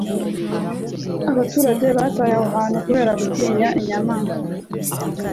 abaturage bataye aho hantu kubera gutinya inyamaswa